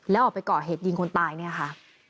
แล้วออกไปก่อเหตุยิงคนตายเนี่ยค่ะ